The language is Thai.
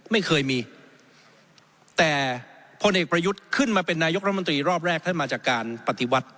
ไม่เคยมีแต่พลเอกประยุทธ์ขึ้นมาเป็นนายกรัฐมนตรีรอบแรกท่านมาจากการปฏิวัติ